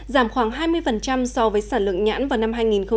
giảm khoảng hai mươi so với sản lượng nhãn vào năm hai nghìn một mươi tám